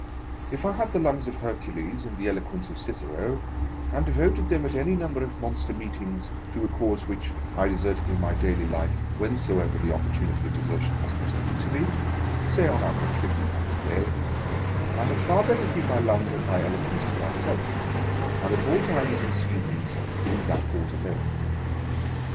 If I had the lungs of Hercules and the elo quence of Cicero, and devoted them at any number of monster meetings to a cause which I deserted in my daily life whensoever the opportunity of desertion was presented to me (say on an average fifty times a day), I had far better keep my lungs and my eloquence to myself, and at all times and seasons leave that cause alone.